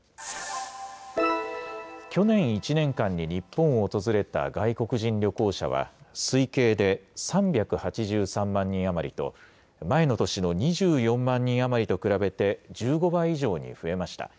去年１年間に日本を訪れた外国人旅行者は、推計で３８３万人余りと、前の年の２４万人余りと比べて、１５倍以上に増えました。